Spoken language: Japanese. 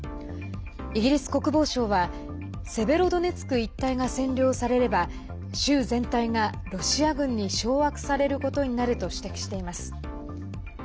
イギリス国防省はセベロドネツク一帯が占領されれば州全体がロシア軍に掌握されることになると指摘しています。